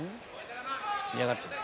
「嫌がってる」